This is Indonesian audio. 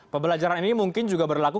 pembelajaran ini mungkin juga berlaku